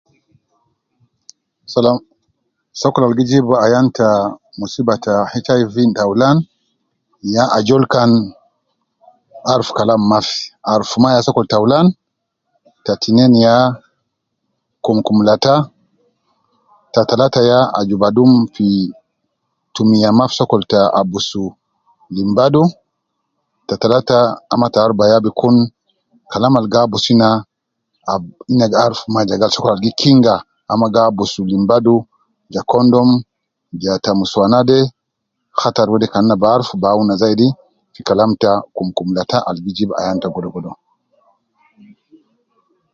Salam, sokol al gi jib ayan ta muswiba ta HIV taulan ya ajol kan aruf kalam Mafi, aruf maa ya sokol taulan ta tinin ya kumkum lata ta talata ya aju badum fi tumiya Mafi sokol ta abusu lim badu ta talata ama ta aruba ya bikun Kalam al gi abus ina ab ina gi aruf mma ja fi sokol ab gi kinga ama gi abusu lim badu ja condom ja ta nusuwana de hattar wede kan na bi aruf bi awun ina zaidi fi kalam ta kumkum lata al gi jib ayan ta godogodo